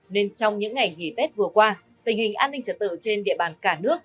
nên trong những ngày nghỉ tết vừa qua tình hình an ninh trật tự trên địa bàn cả nước